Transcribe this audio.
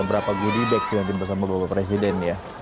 berapa gudibek diantar bersama bapak presiden